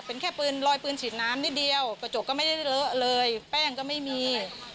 เป็นแค่ปืนลอยปืนฉีดน้ำนิดเดียวกระจกก็ไม่ได้เลอะเลยแป้งก็ไม่มี